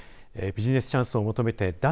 ビジネスチャンスを求めて脱